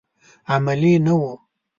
علمي نه و.